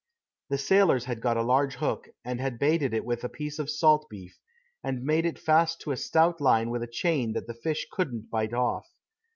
The sailors had got a large hook, and had baited it with a piece of salt beef, and made it fast to a stout line with a chain that the fish couldn't bite off.